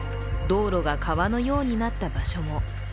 道路が川のようになった場所も。